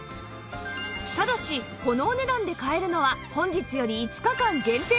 ただしこのお値段で買えるのは本日より５日間限定です